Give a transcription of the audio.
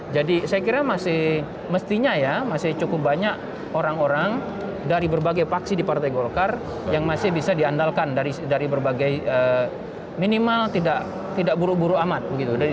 jadi saya kira masih mestinya ya masih cukup banyak orang orang dari berbagai faksi di partai golkar yang masih bisa diandalkan dari berbagai minimal tidak buru buru amat gitu